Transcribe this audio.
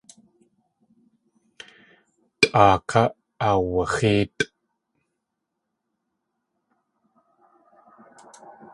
Tʼaa ká aawaxéetʼ.